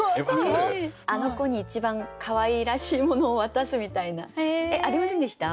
あの子に一番かわいらしいものを渡すみたいな。ありませんでした？